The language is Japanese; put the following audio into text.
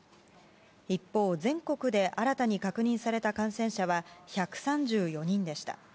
一方、全国で新たに確認された感染者は１３４人でした。